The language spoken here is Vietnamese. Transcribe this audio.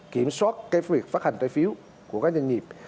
kiểm soát việc phát hành trái phiếu của các doanh nghiệp